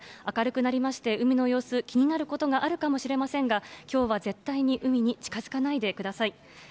明るくなりまして、海の様子、気になることがあるかもしれませんが、きょうは絶対に海に近づかないでください。